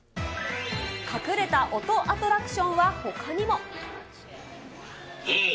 隠れた音アトラクションはほへい！